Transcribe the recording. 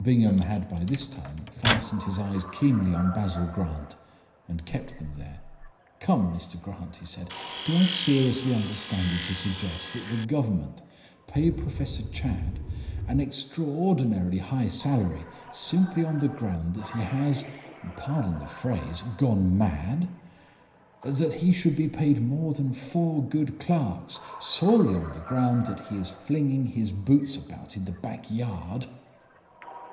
Bingham had by this time fastened his eyes keenly on Basil Grant and kept them there. "Come, Mr Grant," he said. "Do I seriously understand you to suggest that the Government pay Professor Chadd an extraordinarily high salary simply on the ground that he has (pardon the phrase) gone mad? That he should be paid more than four good clerks solely on the ground that he is flinging his boots about in the back yard?"